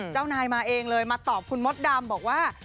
เจ้านายมาเองเลยมาตอบคุณมดดำบอกว่า